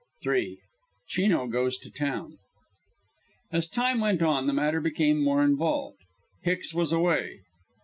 III. CHINO GOES TO TOWN As time went on the matter became more involved. Hicks was away.